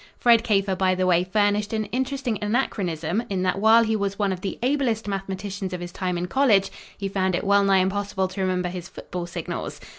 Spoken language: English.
Fred Kafer, by the way, furnished an interesting anachronism in that while he was one of the ablest mathematicians of his time in college he found it wellnigh impossible to remember his football signals!